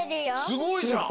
すごいじゃん！